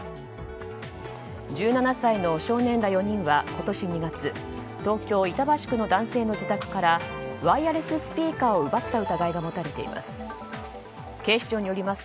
１７歳の少年ら４人は今年２月東京・板橋区の男性の自宅からワイヤレススピーカーを奪った疑いが持たれています。